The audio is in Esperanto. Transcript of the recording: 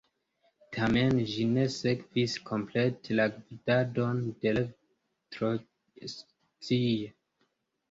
Tamen, ĝi ne sekvis komplete la gvidadon de Lev Trockij.